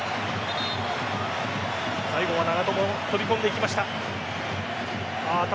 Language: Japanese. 最後は長友飛び込んで行きました。